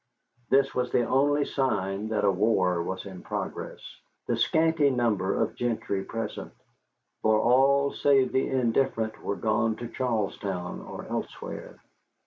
This was the only sign that a war was in progress, the scanty number of gentry present, for all save the indifferent were gone to Charlestown or elsewhere.